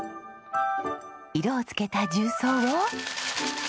色を付けた重曹を。